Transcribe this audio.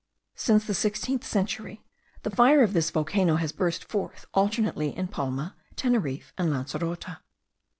Since the sixteenth century, the fire of this volcano has burst forth alternately in Palma, Teneriffe, and Lancerote.